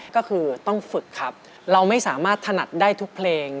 ก็คือต้องฝึกครับเราไม่สามารถถนัดได้ทุกเพลง